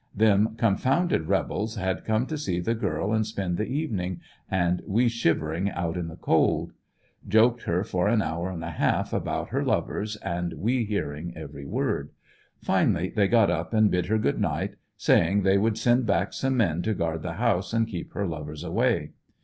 Them confounded rebels had come to see the girl and spend the evening, and we shiver ing out in the cold. Joked her for an hour and a half about her FINAL ESCAPE. 147 lovers and we hearing every word. Finally they got up and bid her good night, saying they would send back some men to guard the house and keep her lovers away.